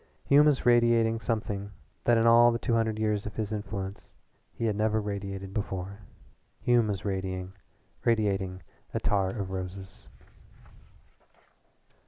Hume was radiating something that in all the two hundred years of his influence he had never radiated before. Hume was radiating attar of roses.